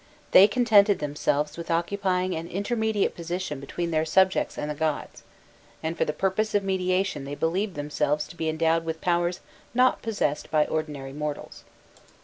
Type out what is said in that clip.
They contented themselves with occupying an intermediate position between their subjects and the gods, and for the purpose of mediation they believed themselves to be endowed with powers not possessed by ordinary mortals.